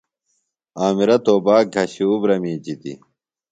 عامرہ توباک گھشیۡ اُبرہ می جِتیۡ۔